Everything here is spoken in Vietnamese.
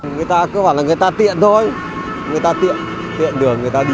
người ta cứ bảo là người ta tiện thôi người ta tiện tiện đường người ta đi